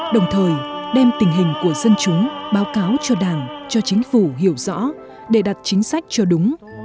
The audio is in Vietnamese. đồng thời đem tình hình của dân chúng báo cáo cho đảng cho chính phủ hiểu rõ để đặt chính sách cho đúng